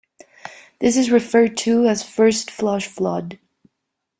This is referred to as first flush flood.